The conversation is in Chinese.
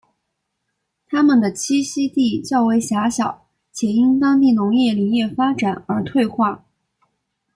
它们的栖息地较为狭小且因当地农业林业发展而退化。